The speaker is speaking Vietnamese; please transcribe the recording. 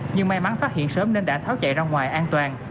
nhưng may mắn phát hiện sớm nên đã tháo chạy ra ngoài an toàn